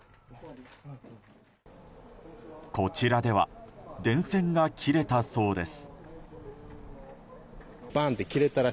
こちらでは電線が切れたそうです。